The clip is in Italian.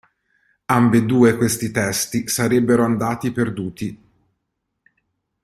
Ambedue questi testi sarebbero andati perduti.